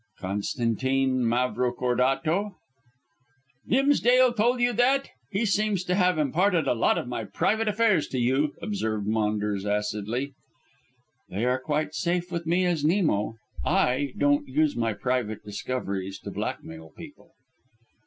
"Constantine Mavrocordato!" "Dimsdale told you that; he seems to have imparted a lot of my private affairs to you," observed Maunders acidly. "They are quite safe with me as Nemo. I don't use my private discoveries to blackmail people."